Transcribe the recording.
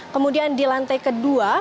kemudian di lantai kedua